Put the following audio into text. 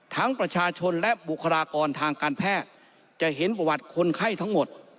ประชาชนและบุคลากรทางการแพทย์จะเห็นประวัติคนไข้ทั้งหมด